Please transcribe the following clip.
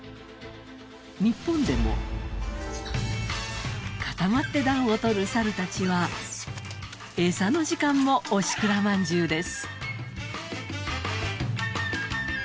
日本でも固まって暖を取る猿たちは餌の時間も押しくらまんじゅうです。